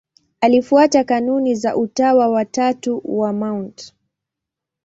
Alifuata kanuni za Utawa wa Tatu wa Mt.